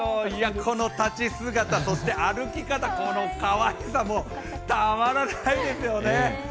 この立ち姿、そして歩き方、このかわいさもうたまらないですよね。